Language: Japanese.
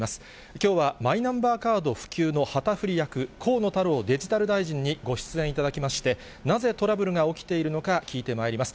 きょうはマイナンバーカード普及の旗振り役、河野太郎デジタル大臣にご出演いただきまして、なぜトラブルが起きているのか、聞いてまいります。